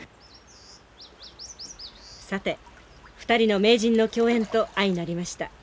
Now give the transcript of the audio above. さて２人の名人の競演と相成りました。